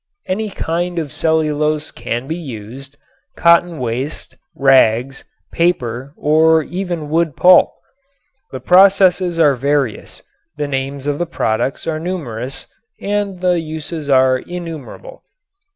Any kind of cellulose can be used, cotton waste, rags, paper, or even wood pulp. The processes are various, the names of the products are numerous and the uses are innumerable.